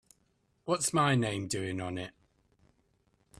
What's my name doing on it?